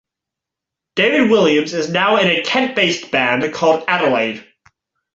David Williams is now in a Kent-based band called Adelaide.